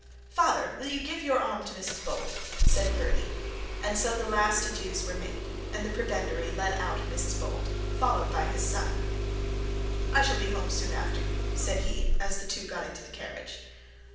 'Father, will you give your arm to Mrs Bold?' said Bertie: and so the last adieux were made, and the prebendary led out Mrs Bold, followed by his son. 'I shall be home soon after you,' said he, as the two got into the carriage.